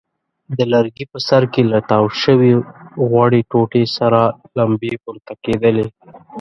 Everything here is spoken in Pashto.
د لرګي په سر کې له تاو شوې غوړې ټوټې سرې لمبې پورته کېدلې.